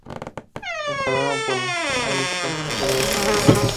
Escalaron por la arista sureste.